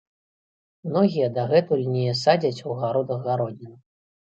Многія дагэтуль не садзяць у гародах гародніну.